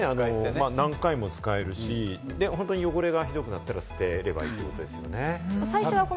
あれね、何回も使えるし、汚れがひどくなったら、捨てればいいということですもんね。